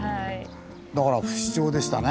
だから不死鳥でしたね。